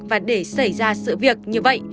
khi xảy ra sự việc như vậy